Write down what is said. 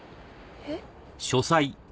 えっ？